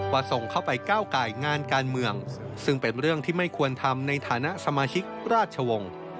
ส่งเข้าไปก้าวไก่งานการเมืองซึ่งเป็นเรื่องที่ไม่ควรทำในฐานะสมาชิกราชวงศ์